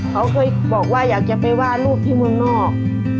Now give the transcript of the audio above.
เขาเคยบอกว่าอยากจะไปว่าลูกที่เมืองนอก